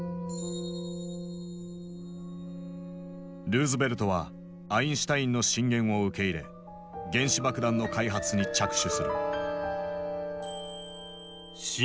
ルーズベルトはアインシュタインの進言を受け入れ原子爆弾の開発に着手する。